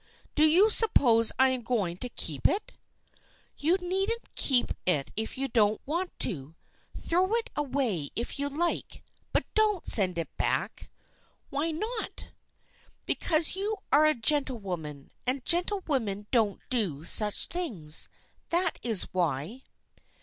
Do you suppose 1 am going to keep it ?"" You needn't keep it if you don't want to. Throw it away if you like, but don't send it back !"" But why not?" " Because you are a gentlewoman, and gentle women don't do such things. That is why."